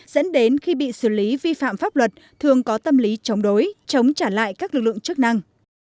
dẫn đến khi bị xử lý vi phạm pháp luật thường có tâm lý chống đối chống trả lại các lực lượng chức năng